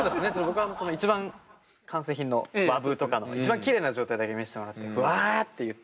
僕は一番完成品のＷＡＶとかの一番きれいな状態だけ見せてもらってわあって言ってるんで。